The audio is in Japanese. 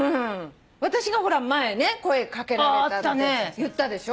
私がほら前ね声掛けられたって言ったでしょ？